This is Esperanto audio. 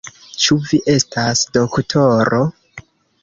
Ĉu vi estas doktoro?